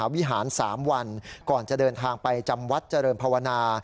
วิหาร๓วันก่อนจะเดินทางไปจำวัดเจริญภาวนา